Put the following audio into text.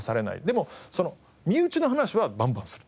でも身内の話はバンバンする。